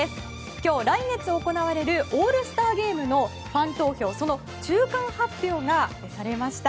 今日、来月行われるオールスターゲームのファン投票の中間発表が出されました。